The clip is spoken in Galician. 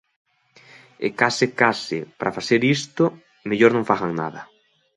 E case, case, para facer isto, mellor non fagan nada.